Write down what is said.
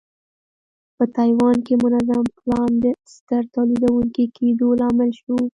په تایوان کې منظم پلان د ستر تولیدوونکي کېدو لامل شو.